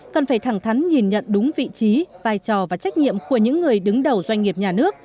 cần phải thẳng thắn nhìn nhận đúng vị trí vai trò và trách nhiệm của những người đứng đầu doanh nghiệp nhà nước